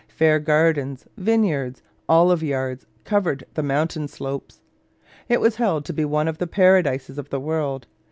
Fair gardens, vineyards, olive yards, covered the mountain slopes. It was held to be one of the Paradises of the world.